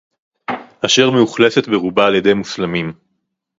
אשר מאוכלסת ברובה על-ידי מוסלמים